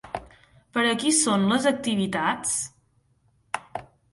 Per a qui són les activitats?